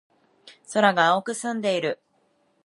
空が青く澄んでいる。